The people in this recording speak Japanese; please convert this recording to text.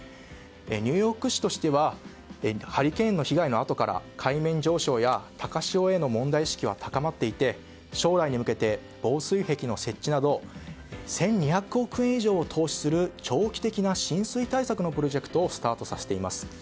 ニューヨーク市としてはハリケーンの被害のあとから海面上昇や高潮への問題意識は高まっていて将来に向け防水壁の設置など１２００億円以上を投資する、長期的な浸水対策のプロジェクトをスタートさせています。